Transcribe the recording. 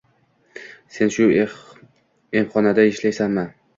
sen shu emxonada ishlaysanmi